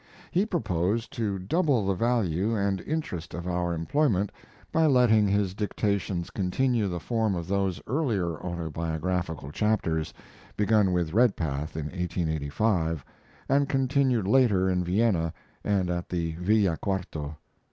He proposed to double the value and interest of our employment by letting his dictations continue the form of those earlier autobiographical chapters, begun with Redpath in 1885, and continued later in Vienna and at the Villa Quarto.